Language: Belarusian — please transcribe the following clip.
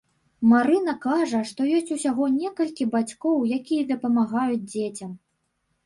Марына кажа, што ёсць усяго некалькі бацькоў, якія дапамагаюць дзецям.